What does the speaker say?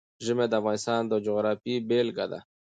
ژمی د افغانستان د جغرافیې بېلګه ده.